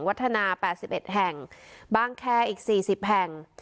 วัฒนาแปดสิบเอ็ดแห่งบ้างแคอีกสี่สิบแห่ง